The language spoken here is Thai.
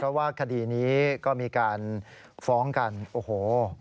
เพราะว่าคดีนี้ก็มีการฟ้องกันโอ้โห